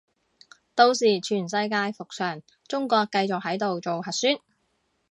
到時全世界復常，中國繼續喺度做核酸